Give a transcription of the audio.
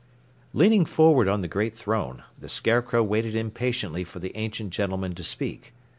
Leaning forward on the great throne, the Scarecrow waited impatiently for the ancient gentleman to speak.